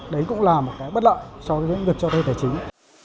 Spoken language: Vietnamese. đấy cũng là một cái bất lợi cho doanh nghiệp cho thuê tài chính